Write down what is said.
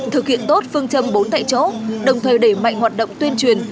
thực hiện tốt phương châm bốn tại chỗ đồng thời đẩy mạnh hoạt động tuyên truyền